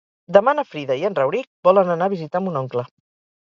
Demà na Frida i en Rauric volen anar a visitar mon oncle.